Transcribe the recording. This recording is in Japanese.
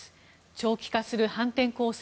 長期化する反転攻勢。